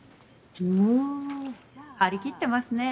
おお張り切ってますね。